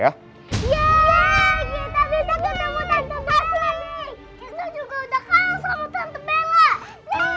yeay kita bisa ketemu tante bella nih